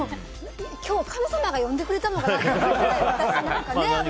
今日、神様が呼んでくれたのかなって。